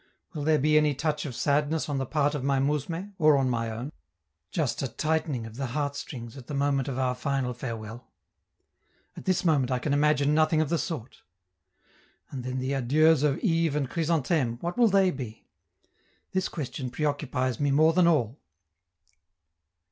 Will there be any touch of sadness on the part of my mousme, or on my own, just a tightening of the heartstrings at the moment of our final farewell? At this moment I can imagine nothing of the sort. And then the adieus of Yves and Chrysantheme, what will they be? This question preoccupies me more than all.